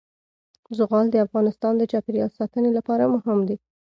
زغال د افغانستان د چاپیریال ساتنې لپاره مهم دي.